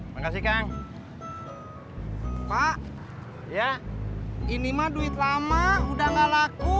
makasih kang pak ya ini mah duit lama udah gak laku